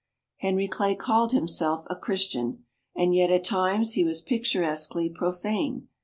Henry Clay called himself a Christian, and yet at times he was picturesquely profane.